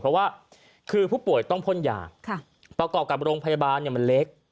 เพราะว่าคือผู้ป่วยต้องพ่นยาประกอบกับโรงพยาบาลมันเล็ก